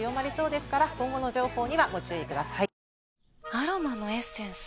アロマのエッセンス？